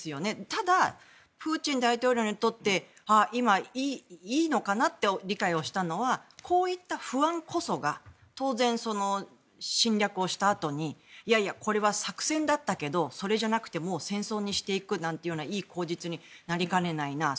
ただ、プーチン大統領にとって今、いいのかなと理解をしたのはこういった不安こそが当然、侵略をしたあとにいやいや、これは作戦だったけどそれじゃなくてもう、戦争にしていくといういい口実になりかねないなと。